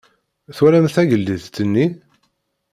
Twalam tagellidt-nni?